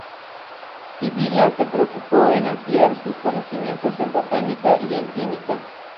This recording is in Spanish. Sibila se preocupó en ampliar sus conocimientos en botánica y en química.